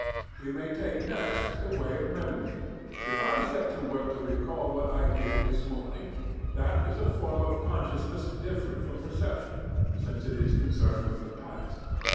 We may take next the way of MEMORY. If I set to work to recall what I did this morning, that is a form of consciousness different from perception, since it is concerned with the past.